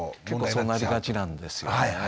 結構そうなりがちなんですよね。